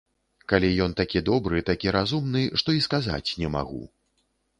Калі ён такі добры, такі разумны, што і сказаць не магу.